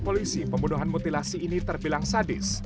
polisi pembunuhan mutilasi ini terbilang sadis